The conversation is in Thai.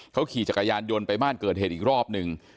เขาขี่จักรยานยนต์ไปบ้านเกิดเหตุอีกรอบหนึ่ง